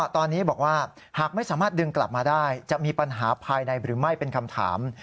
ตอนนี้บอกว่าหากไม่สามารถดึงกลับมาได้จะมีเป็นปัญหาภายในหรือไม่